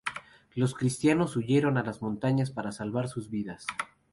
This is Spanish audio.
Los cristianos huyeron a las montañas para salvar sus vidas.